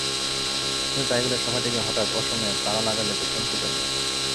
কিন্তু তাই বলে সভাটিকে হঠাৎ অসময়ে তাড়া লাগালে যে চমকে যাবে।